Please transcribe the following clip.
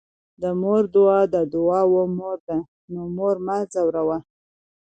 د مور دعاء د دعاوو مور ده، نو مور مه ځوروه